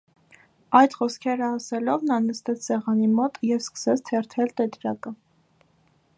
- այդ խոսքերը ասելով նա նստեց սեղանի մոտ և սկսեց թերթել տետրակը: